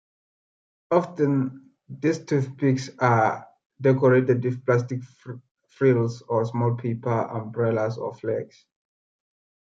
Often, these toothpicks are decorated with plastic frills or small paper umbrellas or flags.